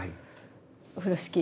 風呂敷。